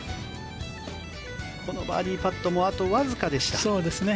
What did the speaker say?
このバーディーパットもあとわずかでした。